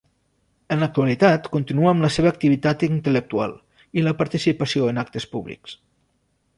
En l'actualitat continua amb la seva activitat intel·lectual i la participació en actes públics.